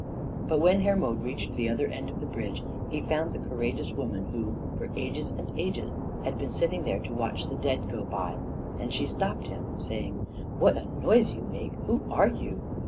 But when Hermod reached the other end of the bridge, he found the courageous woman who, for ages and ages, had been sitting there to watch the dead go by, and she stopped him saying: "What a noise you make! Who are you?